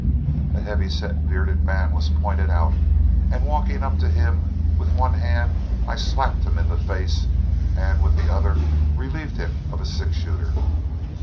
A heavy set, bearded man was pointed out, and walking up to him, with one hand I slapped him in the face and with the other relieved him of a six shooter.